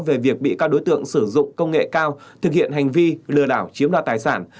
về việc bị các đối tượng sử dụng công nghệ cao thực hiện hành vi lừa đảo chiếm đoạt tài sản